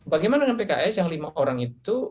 bagaimana dengan pks yang lima orang itu